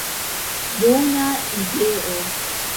Bona ideo.